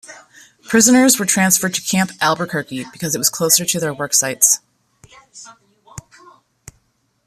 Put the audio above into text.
Prisoners were transferred to Camp Albuquerque because it was closer to their work sites.